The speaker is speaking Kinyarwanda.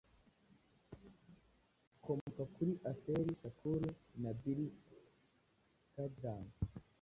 Akomoka kuri , Afeni Shakur na Billy Garland.